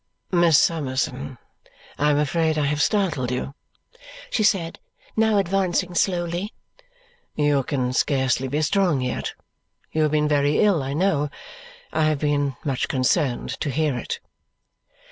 "Miss Summerson, I am afraid I have startled you," she said, now advancing slowly. "You can scarcely be strong yet. You have been very ill, I know. I have been much concerned to hear it."